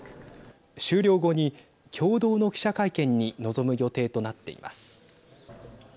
終了後に共同の記者会見に臨む予定となっています。